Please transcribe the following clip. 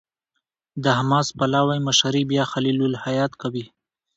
د حماس پلاوي مشري بیا خلیل الحية کوي.